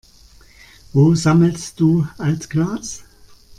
Wo sammelst du Altglas?